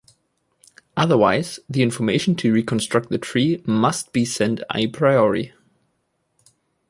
Otherwise, the information to reconstruct the tree must be sent a priori.